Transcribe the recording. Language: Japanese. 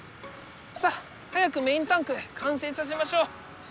さっ早くメインタンクかんせいさせましょう！